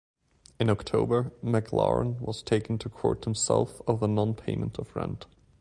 In October, MacLaren was taken to court himself over non-payment of rent.